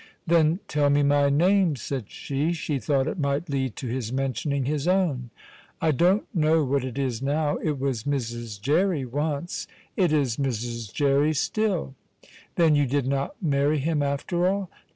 "Then tell me my name," said she; she thought it might lead to his mentioning his own. "I don't know what it is now. It was Mrs. Jerry once." "It is Mrs. Jerry still." "Then you did not marry him, after all?"